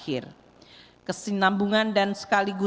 kecuali keuntungan ekonomi indonesia yang terjaga pada tingkat lima